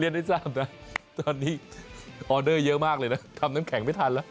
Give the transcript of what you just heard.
ได้ทราบนะตอนนี้ออเดอร์เยอะมากเลยนะทำน้ำแข็งไม่ทันแล้ว